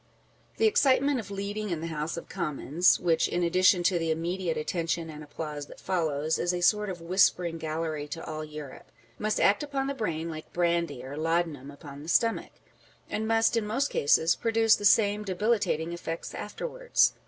The excitement of leading in the House of Commons (which, in addition to the immediate attention and applause that follows, is a sort of whispering gallery to all Europe) must act upon the brain like brandy or laudanum upon the stomach ; and must, in most cases, produce the same debilitating effects afterwards.